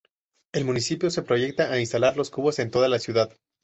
El municipio se proyecta a instalar los cubos en toda la ciudad.